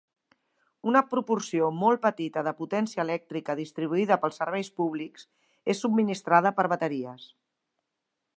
Una proporció molt petita de potència elèctrica distribuïda pels serveis públics és subministrada per bateries.